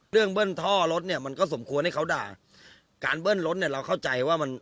เบิ้ลท่อรถเนี่ยมันก็สมควรให้เขาด่าการเบิ้ลรถเนี่ยเราเข้าใจว่ามัน